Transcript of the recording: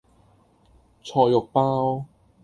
菜肉包